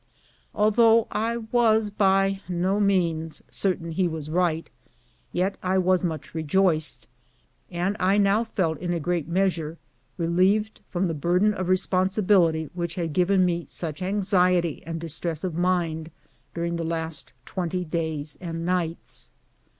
Although I was by no means certain he was right, yet I was much rejoiced, and I now felt in a great measure re lieved from the burden of responsibility which had given me such anxiety and distress of mind during the last twen ty days an^ nights.